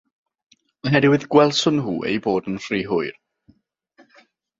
Oherwydd gwelson nhw eu bod yn rhy hwyr.